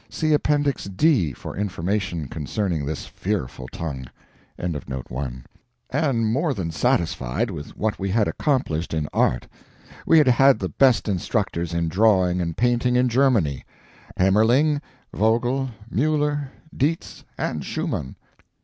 See Appendix D for information concerning this fearful tongue.] and more than satisfied with what we had accomplished in art. We had had the best instructors in drawing and painting in Germany Haemmerling, Vogel, Mueller, Dietz, and Schumann.